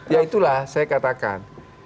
ya itulah saya katakan